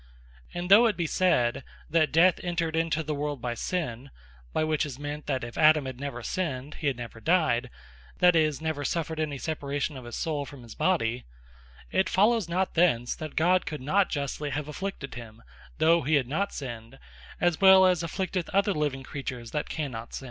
And though it be said "That Death entred into the world by sinne," (by which is meant that if Adam had never sinned, he had never dyed, that is, never suffered any separation of his soule from his body,) it follows not thence, that God could not justly have Afflicted him, though he had not Sinned, as well as he afflicteth other living creatures, that cannot sinne.